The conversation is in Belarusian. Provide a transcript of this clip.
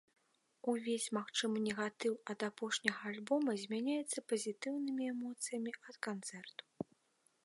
Увесь магчымы негатыў ад апошняга альбома змяняецца пазітыўнымі эмоцыямі ад канцэрту.